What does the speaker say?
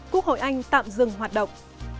quốc hội anh tạm dừng hoạt động